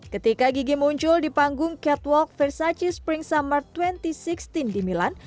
ketika gigi muncul di panggung catwalk versaci spring summer dua ribu enam belas di milan